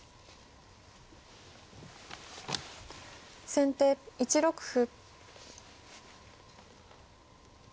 先手１六歩。